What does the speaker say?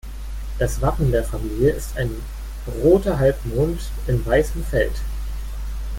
Das Wappen der Familie ist ein roter Halbmond in weißem Feld.